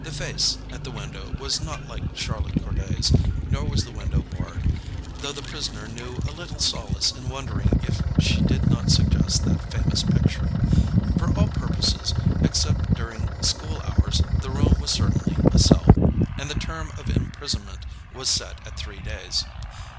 The face at the window was not like Charlotte Corday's, nor was the window barred, though the prisoner knew a little solace in wondering if she did not suggest that famous picture. For all purposes, except during school hours, the room was certainly a cell; and the term of imprisonment was set at three days.